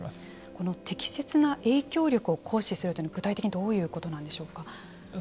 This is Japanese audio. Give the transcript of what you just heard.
この適切な影響力を行使するというのは具体的にどういうことなんでしょうか？